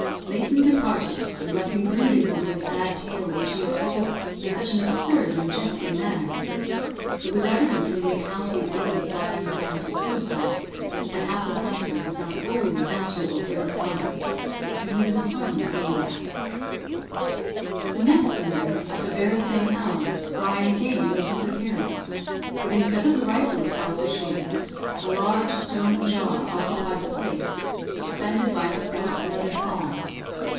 Layton departed, and left me brooding over the sad tale which he had told in such an absurd and jesting manner. It was evident from the account he had given of Brian's attempt at suicide, that the hapless hunter was not wholly answerable for his conduct that he was a harmless maniac. The next morning, at the very same hour, Brian again made his appearance; but instead of the rifle across his shoulder, a large stone jar occupied the place, suspended by a stout leather thong.